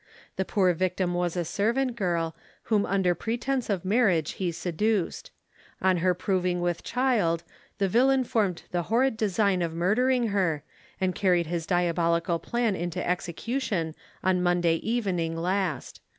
The poor victim was a servant girl, whom under pretence of marriage he seduced. On her proving with child the villain formed the horrid design of murdering her, and carried his diabolical plan into execution on Monday evening last.